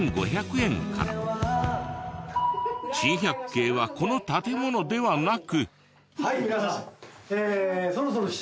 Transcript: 珍百景はこの建物ではなく。